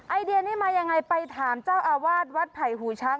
ไอเดียนี้มายังไงไปถามเจ้าอาวาสวัดไผ่หูช้าง